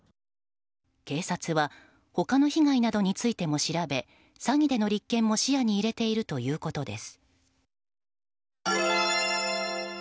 警察は他の被害などについても調べ詐欺での立件も視野に入れているということです。